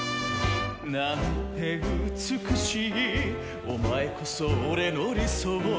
「なんて美しいお前こそ俺の理想」